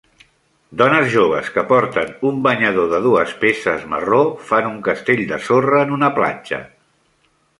Dones joves que porten un banyador de dues peces marró fan un castell de sorra en una platja.